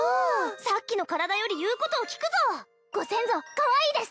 さっきの体より言うことを聞くぞご先祖可愛いです